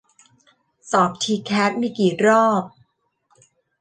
สอบทีแคสมีกี่รอบ